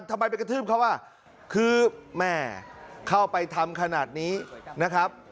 ไปกระทืบเขาอ่ะคือแม่เข้าไปทำขนาดนี้นะครับ